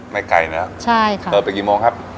ไม่ไกลนะครับใช่ค่ะเปิดไปกี่โมงครับ